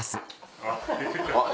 あっ。